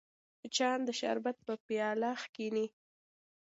مچان د شربت پر پیاله کښېني